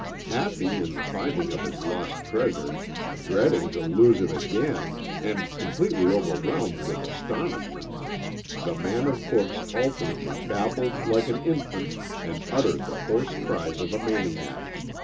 Happy in the finding of his lost treasure, dreading to lose it again, and completely overwhelmed with astonishment, the man of books alternately babbled like an infant and uttered the hoarse cries of a maniac.